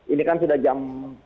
ini kan sudah jam